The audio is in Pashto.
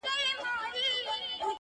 ستوري ډېوه سي ،هوا خوره سي.